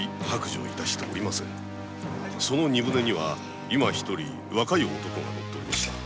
その荷舟には今一人若い男が乗っておりました。